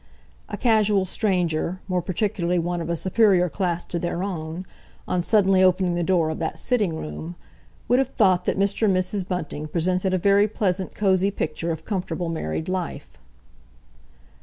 A casual stranger, more particularly one of a Superior class to their own, on suddenly opening the door of that sitting room; would have thought that Mr. and Mrs. Bunting presented a very pleasant cosy picture of comfortable married life.